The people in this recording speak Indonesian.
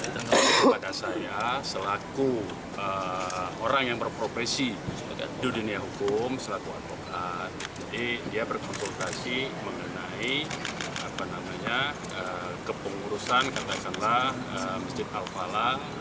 dan kepada saya selaku orang yang berprofesi di dunia hukum selaku anggota jadi dia berkonsultasi mengenai kepengurusan katakanlah masjid al falah